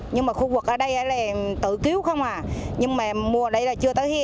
nhưng mà khu vực ở đây là tự cứu không à nhưng mà mùa đây là chưa tới khi